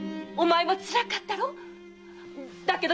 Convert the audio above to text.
お前もつらかったろう？〕